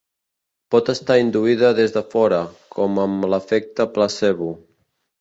Pot estar induïda des de fora, com amb l'efecte placebo.